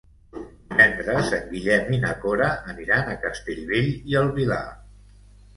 Divendres en Guillem i na Cora aniran a Castellbell i el Vilar.